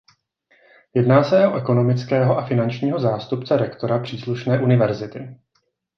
Jedná se o ekonomického a finančního zástupce rektora příslušné univerzity.